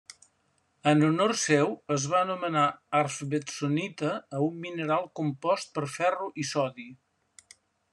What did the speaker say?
En honor seu, es va anomenar Arfvedsonita a un mineral, compost per ferro i sodi.